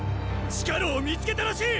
地下牢を見つけたらしい！